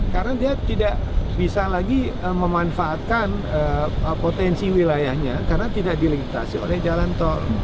karena dia tidak bisa lagi memanfaatkan potensi wilayahnya karena tidak dilengitasi oleh jalan tol